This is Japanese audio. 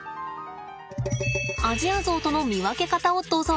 アジアゾウとの見分け方をどうぞ。